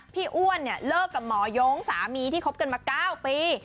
พี่อ้วนเลิกกับหมอยงสามีที่คบกันมา๙ปี